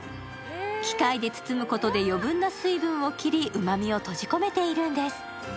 機械で包むことで余分な水分を切りうまみを閉じ込めているんです。